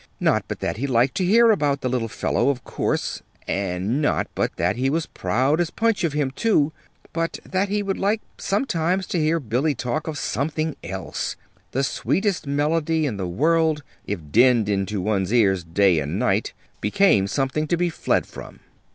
Not but that he liked to hear about the little fellow, of course; and not but that he was proud as Punch of him, too; but that he would like sometimes to hear Billy talk of something else. The sweetest melody in the world, if dinned into one's ears day and night, became something to be fled from.